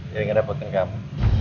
jadi gak dapetin kamu